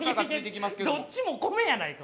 どっちも米やないか！